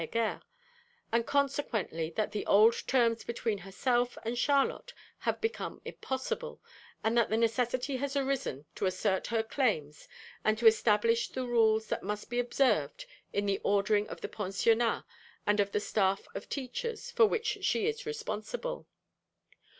Heger, and consequently that the old terms between herself and Charlotte have become impossible, and that the necessity has arisen to assert her claims and to establish the rules that must be observed in the ordering of the Pensionnat and of the staff of teachers for which she is responsible.